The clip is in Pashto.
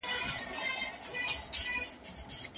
املا د زده کړي د لاري یو مهم پړاو دی.